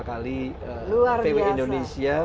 kali vw indonesia